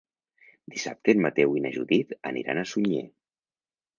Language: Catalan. Dissabte en Mateu i na Judit aniran a Sunyer.